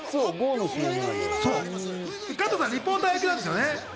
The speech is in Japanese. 加藤さん、リポーター役なんですね。